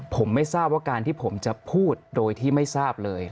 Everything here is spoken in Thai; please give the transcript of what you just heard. ผมไม่ทราบว่าการที่ผมจะพูดโดยที่ไม่ทราบเลย